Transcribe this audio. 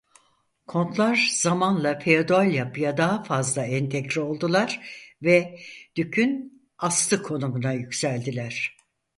Kontlar zamanla feodal yapıya daha fazla entegre oldular ve dükün astı konumuna yükseldiler.